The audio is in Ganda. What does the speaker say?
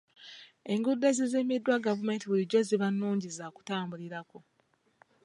Enguudo ezizimbiddwa gavumenti bulijjo ziba nnungi za kutambulirako.